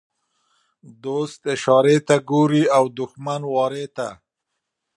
دوست اشارې ته ګوري او دښمن وارې ته.